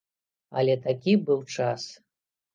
Але такі быў час!